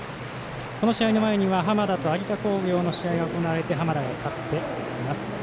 この試合の前には浜田と有田工業の試合が行われて浜田が勝っています。